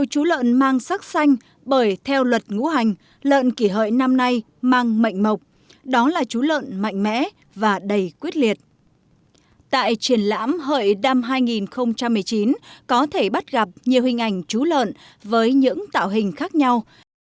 tại triển lãm hợi năm hai nghìn một mươi chín có thể bắt gặp nhiều hình ảnh chú lợn với những tạo hình khác nhau